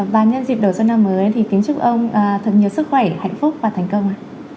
và nhân dịp đầu xuân năm mới thì kính chúc ông thật nhiều sức khỏe hạnh phúc và thành công ạ